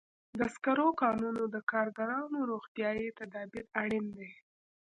د سکرو کانونو ته د کارګرانو روغتیايي تدابیر اړین دي.